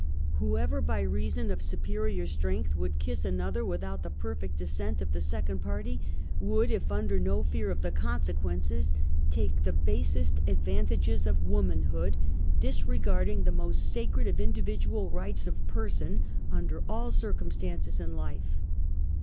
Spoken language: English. Whoever by reason of superior strength would kiss another without the perfect assent of the second party, would, if under no fear of the consequences, take the basest advan tages of womanhood, disregarding the most sacred of individual rights of person, under all circumstances in life.